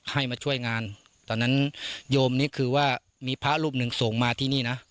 ให้มาช่วยงานตอนนั้นโยมนี่คือว่ามีพระรูปหนึ่งส่งมาที่นี่นะ